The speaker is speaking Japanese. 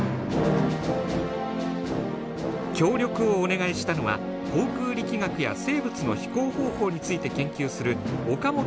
協力をお願いしたのは航空力学や生物の飛行方法について研究する岡本正人准教授です。